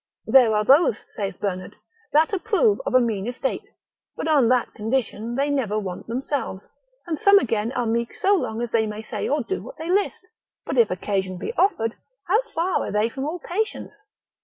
There are those (saith Bernard) that approve of a mean estate, but on that condition they never want themselves: and some again are meek so long as they may say or do what they list; but if occasion be offered, how far are they from all patience?